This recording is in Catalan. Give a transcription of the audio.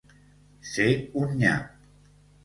Ser un nyap.